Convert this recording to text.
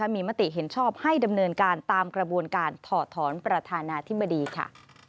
มีมติเห็นชอบให้ดำเนินการตามกระบวนการถอดถอนประธานาธิบดีค่ะ